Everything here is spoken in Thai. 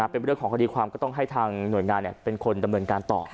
เป็นเรื่องของคดีความก็ต้องให้ทางหน่วยงานเป็นคนดำเนินการต่อ